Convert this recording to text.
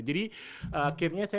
jadi akhirnya saya